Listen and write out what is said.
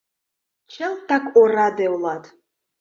Чылтак ораде улат!